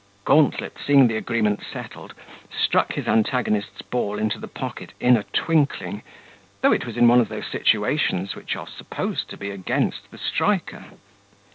Gauntlet seeing the agreement settled, struck his antagonist's ball into the pocket in a twinkling, though it was in one of those situations which are supposed to be against the striker.